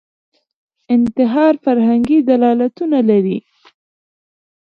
انتحار فرهنګي دلالتونه لري